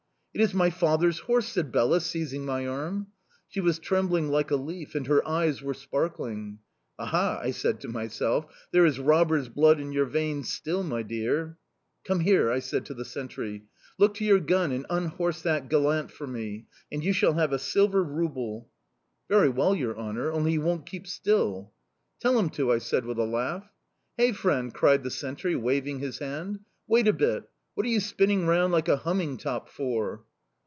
"'It is my father's horse!' said Bela, seizing my arm. "She was trembling like a leaf and her eyes were sparkling. "'Aha!' I said to myself. 'There is robber's blood in your veins still, my dear!' "'Come here,' I said to the sentry. 'Look to your gun and unhorse that gallant for me and you shall have a silver ruble.' "'Very well, your honour, only he won't keep still.' "'Tell him to!' I said, with a laugh. "'Hey, friend!' cried the sentry, waving his hand. 'Wait a bit. What are you spinning round like a humming top for?